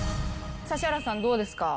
指原さんどうですか？